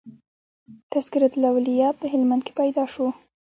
"تذکرةالاولیاء" په هلمند کښي پيدا سو.